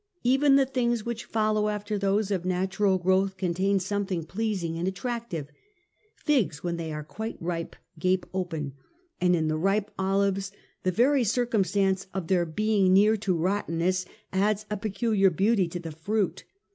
' Even the things which follow after pathy^^ith those of natural growth contain something Nature, pleasing and attractive Figs when they "• are quite ripe gape open ; and in the ripe olives the very circumstance of their being near to rottenness adds a peculiar beauty to the fruit.